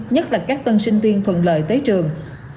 nhất là các tân sinh viên thuận lợi tới trường